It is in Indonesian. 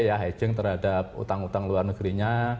ya hedging terhadap utang utang luar negerinya